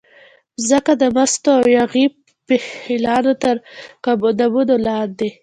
مځکه د مستو او یاغي پیلانو ترقدمونو لاندې